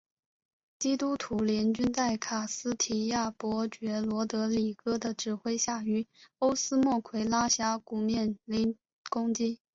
基督徒联军在卡斯提亚伯爵罗德里哥的指挥下于欧斯莫奎拉峡谷面临攻击。